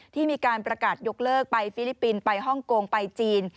ที่มีการประกาศยกเลิกไปฟิลิปปินส์ไปฮ่องกงไปจีน